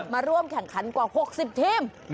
มาร่วมแข่งขันกว่า๖๐ทีม